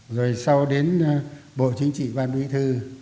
rồi sau đến bộ chính trị ban bí thư